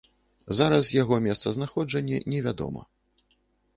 Зараз яго месцазнаходжанне невядома.